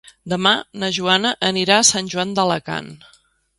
Demà na Joana anirà a Sant Joan d'Alacant.